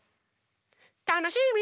たのしみ！